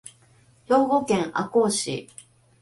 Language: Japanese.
兵庫県赤穂市